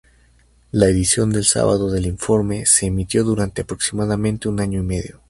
La edición del sábado del Informe se emitió durante aproximadamente un año y medio.